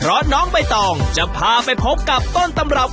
เป็นคนใจใจชอบมาก